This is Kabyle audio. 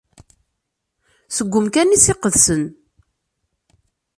Seg umkan-is iqedsen.